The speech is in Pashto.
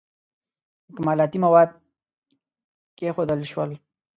اکمالاتي مواد کښېښودل شول.